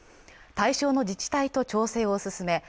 対象の自治体と調整を進め